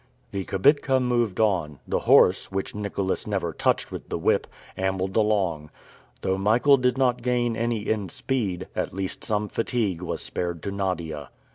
The kibitka moved on; the horse, which Nicholas never touched with the whip, ambled along. Though Michael did not gain any in speed, at least some fatigue was spared to Nadia.